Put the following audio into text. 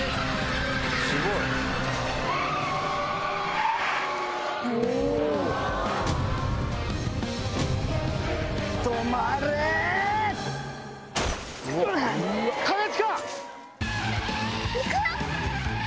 ⁉すごい！行くよ！